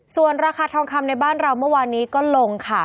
ส่วนราคาทองคำในบ้านเราเมื่อวานนี้ก็ลงค่ะ